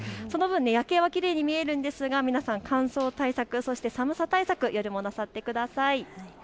夜景はきれいに見えるんですが皆さん、乾燥対策、寒さ対策、夜もなさってください。